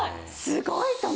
すごいよ。